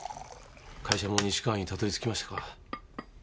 会社も西川にたどり着きましたか。